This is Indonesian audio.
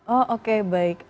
oh oke baik